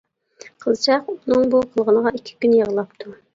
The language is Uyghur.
قىزچاق ئۇنىڭ بۇ قىلغىنىغا ئىككى كۈن يىغلاپتۇ.